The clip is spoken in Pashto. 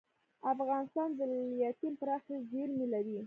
افغانستان د لیتیم پراخې زیرمې لري.